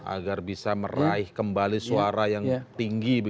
agar bisa meraih kembali suara yang tinggi